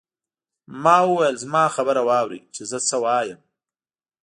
ما وویل زما خبره واورئ چې زه څه وایم.